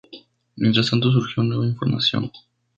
Mientras tanto surgió nueva información.